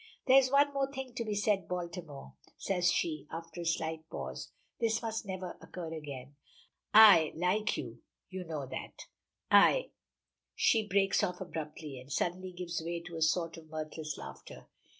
"There is one thing only to be said, Baltimore," says she, after a slight pause. "This must never occur again. I like you, you know that. I " she breaks off abruptly, and suddenly gives way to a sort of mirthless laughter.